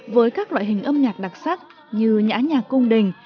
với các loại hình âm nhạc đặc sắc như nhã nhạc cung đình